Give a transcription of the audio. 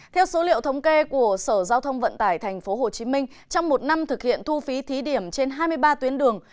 theo số liệu thống kê của sở giao thông vận tải tp hcm trong một năm thực hiện thu phí thí điểm trên hai mươi ba tuyến đường